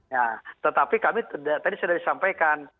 ya tetapi kami tadi sudah disampaikan